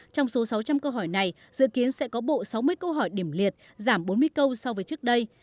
trong số sáu trăm linh câu hỏi này dự kiến sẽ có bộ sáu mươi câu hỏi điểm liệt giảm bốn mươi câu so với trước đây